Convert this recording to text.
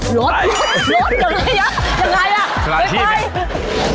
รถรถรถอย่างไรอย่างไร